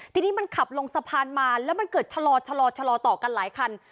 ทีนี้มันขับลงสะพานมาแล้วมันเกิดชะลอต่อกันหลายคัน